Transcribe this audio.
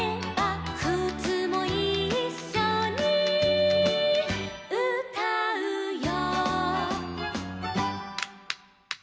「くつもいっしょにうたうよ」